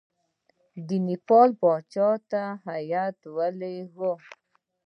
د نیپال پاچا ته هیات ولېږو.